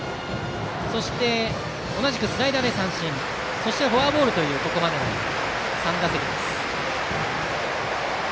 そして、同じくスライダーで三振そしてフォアボールというここまでの３打席です。